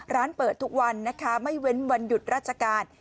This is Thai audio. ร้านเปิดทุกวันนะคะไม่เว้นวันหยุดราชการ